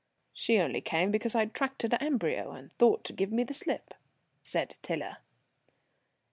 "She only came because I'd tracked her to Amberieu, and thought to give me the slip," said Tiler.